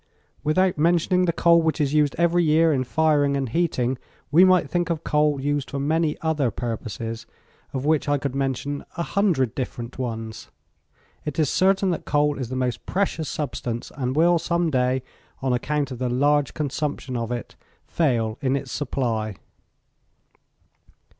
Without mentioning the coal which is used every year in firing and heating, we might think of coal used for many other purposes, of which I could mention a hundred different ones. It is certain that coal is the most precious substance, and will some day, on account of the large consumption of it; fail in its supply.